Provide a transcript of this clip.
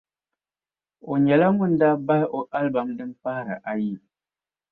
o nyɛla ŋun daa bahi o album din pahiri ayi.